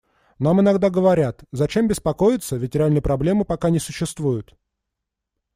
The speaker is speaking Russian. Нам иногда говорят: зачем беспокоиться, ведь реальной проблемы пока не существует.